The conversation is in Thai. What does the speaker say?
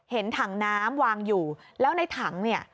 เห็นถังน้ำวางอยู่แล้วในถังเนี่ย